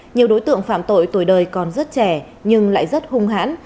nhiều đối tượng phạm tội tuổi đời còn rất trẻ nhưng lại rất hung hãn